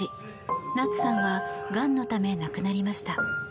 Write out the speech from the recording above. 夏さんはがんのため亡くなりました。